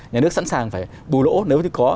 nhà nước sẵn sàng phải bù lỗ nếu như có